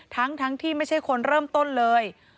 ทั้งที่ไม่ใช่คนเริ่มต้นเลย